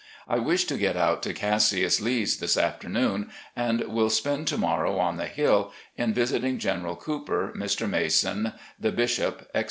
I wish to get out to Cassius Lee's this afternoon, and will spend to morrow on the Hill in visiting General Cooper, Mr. Mason, the Bishop, etc.